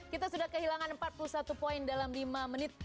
kita sudah kehilangan empat puluh satu poin dalam lima menit